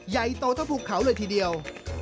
ใหญ่โตเท่าภูเขาเลยทีเดียว